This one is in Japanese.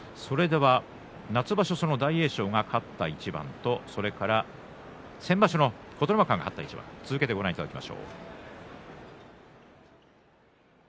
夏場所、大栄翔が勝った一番と先場所の琴ノ若が勝った一番を続けてご覧いただきます。